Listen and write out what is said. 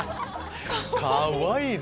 かわいいね。